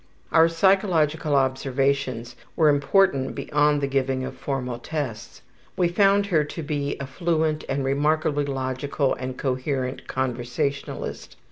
Our psychological observations were important beyond the giving of formal tests. We found her to be a fluent and remarkably logical and coherent conversationalist.